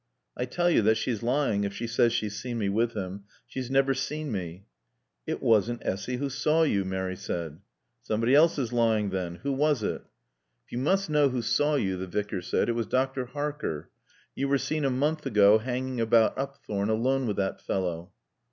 "I tell you that she's lying if she says she's seen me with him. She's never seen me." "It wasn't Essy who saw you," Mary said. "Somebody else is lying then. Who was it?" "If you must know who saw you," the Vicar said, "it was Dr. Harker. You were seen a month ago hanging about Upthorne alone with that fellow."